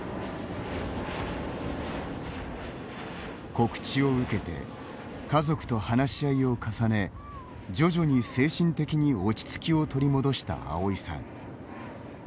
告知を受けて家族と話し合いを重ね徐々に、精神的に落ち着きを取り戻したアオイさん。